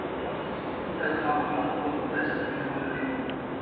ته باید خامخا له خپل خدای سره مینه ولرې.